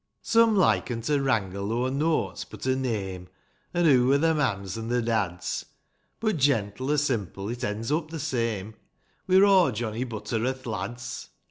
Some liken to wrangle o'er nought but a nnme, An' who wur iheir mams an' their dads ; But, gentle or simple, it ends up the same, —" We're o' Johnny Butter'oth lads